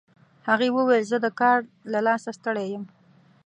هغې وویل چې زه د کار له لاسه ستړي یم